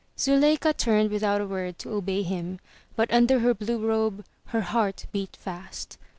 Zuleika turned without a word to obey him, but under her blue robe, her heart beat fast.